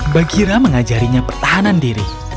bagira mengajarinya pertahanan diri